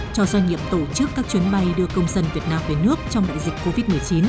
cho doanh nghiệp tổ chức các chuyến bay đưa công dân việt nam về nước trong đại dịch covid một mươi chín